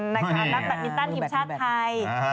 นักแบบนิตราหิมชาติไทย